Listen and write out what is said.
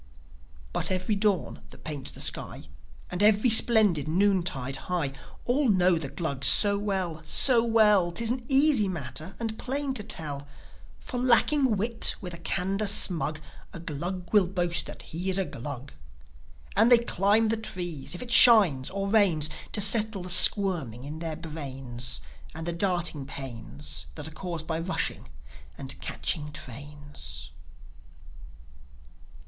But every dawn that paints the sky, And every splendid noontide high, All know the Glugs so well, so well. 'Tis an easy matter, and plain to tell. For, lacking wit, with a candour smug, A Glug will boast that he is a Glug. And they climb the trees, if it shines or rains, To settle the squirming in their brains, And the darting pains That are caused by rushing and catching trains.